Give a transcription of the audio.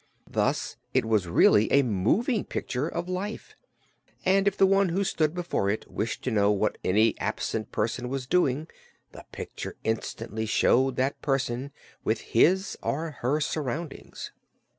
Thus it was really a "moving picture" of life, and if the one who stood before it wished to know what any absent person was doing, the picture instantly showed that person, with his or her surroundings.